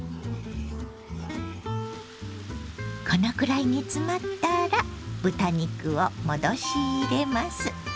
このくらい煮詰まったら豚肉を戻し入れます。